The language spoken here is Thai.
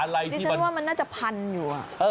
นี่แสดงว่ามันน่าถ้าพันธุ์อยู่